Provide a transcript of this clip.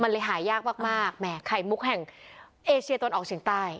มันเลยหายากมากมากแหมไข่มุกแห่งเอเชียตะวันออกเฉียงใต้